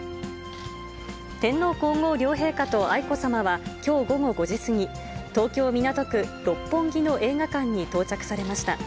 天皇皇后両陛下と愛子さまはきょう午後５時過ぎ、東京・港区六本木の映画館に到着されました。